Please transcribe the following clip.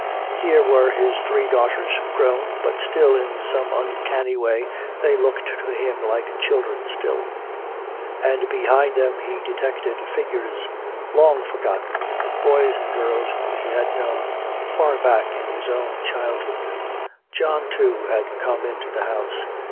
Here were his three daughters, grown, but still in some uncanny way they looked to him like children still; and behind them he detected figures long forgotten, of boys and girls whom he had known far back in his own childhood. John, too, had come into the house.